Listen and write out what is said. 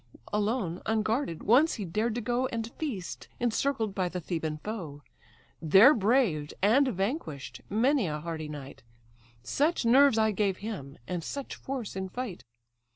Alone, unguarded, once he dared to go, And feast, incircled by the Theban foe; There braved, and vanquish'd, many a hardy knight; Such nerves I gave him, and such force in fight.